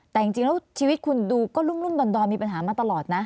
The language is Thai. แต่จริงแล้วชีวิตคุณดูก็รุ่มดอนมีปัญหามาตลอดนะ